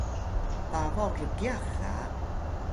babaw rgyax ga